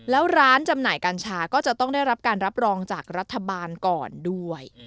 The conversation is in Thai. แล้วร้านจำหน่ายกัญชาก็จะต้องได้รับการรับรองจากรัฐบาลก่อนด้วย